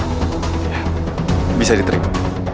ya bisa diterima